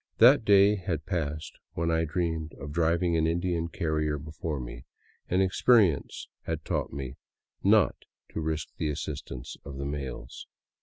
That day had passed when I dreamed of driving an Indian carrier before me, and experience had taught me not to risk the assistance of the mails.